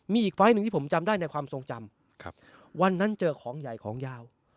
มีอีกไฟล์หนึ่งที่ผมจำได้ในความทรงจำวันนั้นเจอของใหญ่ของยาว